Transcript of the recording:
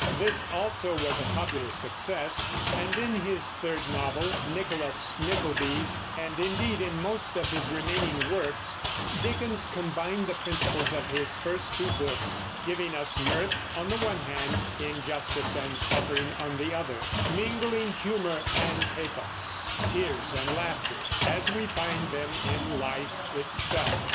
This also was a popular success, and in his third novel, Nicholas Nickleby, and indeed in most of his remaining works, Dickens combined the principles of his first two books, giving us mirth on the one hand, injustice and suffering on the other; mingling humor and pathos, tears and laughter, as we find them in life itself.